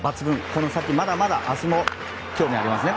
この先、まだまだ明日も興味ありますね。